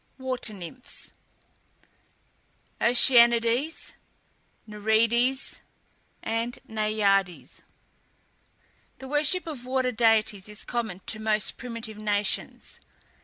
WATER NYMPHS. OCEANIDES, NEREIDES, AND NAIADES. The worship of water deities is common to most primitive nations.